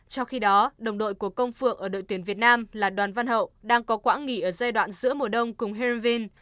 trong khi đó đồng đội của công phượng ở đội tuyển việt nam là đoàn văn hậu đang có quãng nghỉ ở giai đoạn giữa mùa đông cùng herriven